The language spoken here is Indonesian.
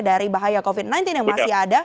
dari bahaya covid sembilan belas yang masih ada